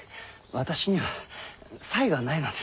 私には才がないのです。